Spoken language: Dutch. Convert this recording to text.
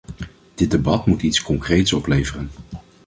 Dit debat moet iets concreets opleveren.